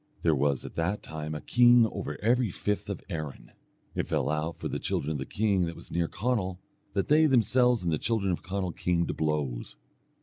There was at that time a king over every fifth of Erin. It fell out for the children of the king that was near Conall, that they themselves and the children of Conall came to blows.